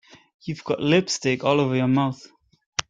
You've got lipstick all over your mouth.